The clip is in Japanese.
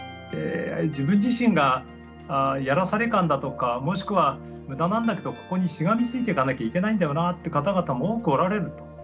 自分自身がやらされ感だとかもしくは無駄なんだけどここにしがみついてかなきゃいけないんだよなって方々も多くおられると。